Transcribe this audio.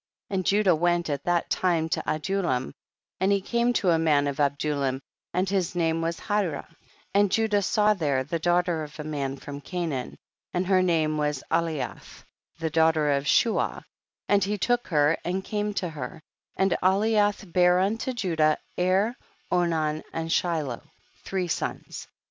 And Judah went at that time to Adulam, and he came to a man of Adulam, and his name was Hirah, and Judah saw there the daughter of a man from Canaan, and her name was Aliyath, the daughter of Shua, and he took her, and came to her, and Aliyath bare unto Judah, Er, Onan and Shiloh ; three sons.